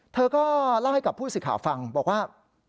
เธอก็เล่าให้กับผู้สื่อข่าวฟังบอกว่า